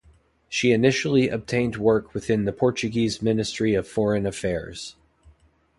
She initially obtained work with the Portuguese Ministry of Foreign Affairs.